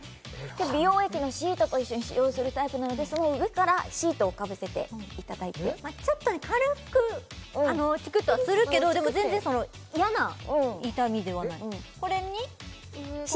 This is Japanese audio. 美容液のシートと一緒に使用するタイプなのでその上からシートをかぶせていただいてちょっとね軽くチクッとはするけどでも全然嫌な痛みではないこれにこの上？